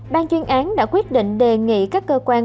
ban chuyên án đã quyết định đề nghị các cơ quan